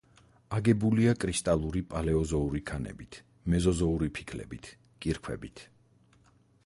აგებულია კრისტალური პალეოზოური ქანებით, მეზოზოური ფიქლებით, კირქვებით.